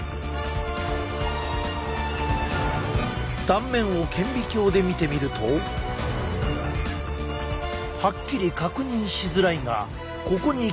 断面を顕微鏡で見てみるとはっきり確認しづらいがここに形成層がある。